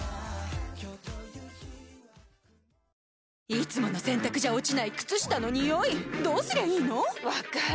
いつもの洗たくじゃ落ちない靴下のニオイどうすりゃいいの⁉分かる。